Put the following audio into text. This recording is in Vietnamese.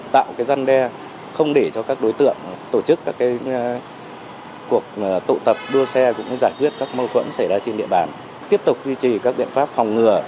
trong địa bàn